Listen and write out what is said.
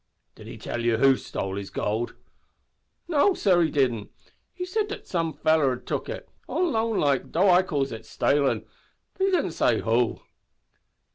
"Did he tell you who stole his gold?" "No, sor, he didn't he said that some feller had took it on loan, like, though I calls it stalin' but he didn't say who."